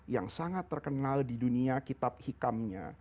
yang sangat terkenal di dunia kitab hikamnya